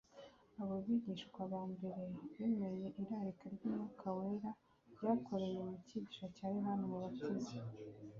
Abo bigishwa ba mbere bemeye irarika ry'Umwuka wera ryakoreye mu cyigisho cya Yohana Umubatiza.